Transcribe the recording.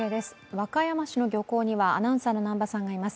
和歌山市の漁港にはアナウンサーの南波さんがいます。